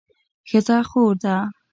ښځه خور ده